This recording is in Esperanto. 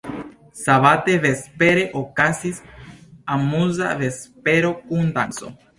Sabate vespere okazis amuza vespero kun danco.